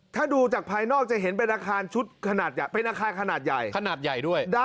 ถ้าดูจากภายนอกจะเห็นเป็นนาคารขนาดใหญ่